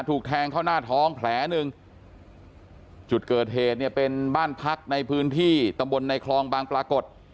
ถูกแทงเข้าหน้าท้องแผลหนึ่งจุดเกิดเหตุเนี่ยเป็นบ้านพักในพื้นที่ตำบลในคลองบางปรากฏ